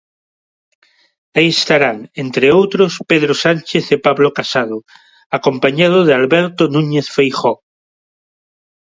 Aí estarán, entre outros, Pedro Sánchez e Pablo Casado, acompañado de Alberto Núñez Feijóo.